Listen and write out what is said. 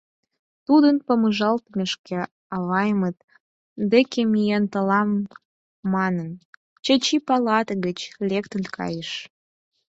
Тудын помыжалтмешке, аваймыт деке миен толам манын, Чачи палате гыч лектын кайыш.